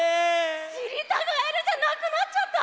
「しりたガエル」じゃなくなっちゃった！